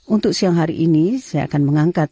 untuk siang hari ini saya akan mengangkat